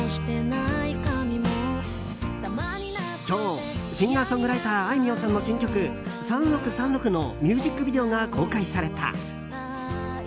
今日、シンガーソングライターあいみょんさんの新曲「３６３６」のミュージックビデオが公開された。